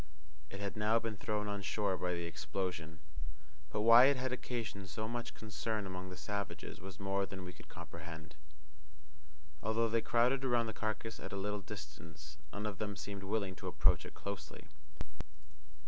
It had now been thrown on shore by the explosion; but why it had occasioned so much concern among the savages was more than we could comprehend. Although they crowded around the carcass at a little distance, none of them seemed willing to approach it closely.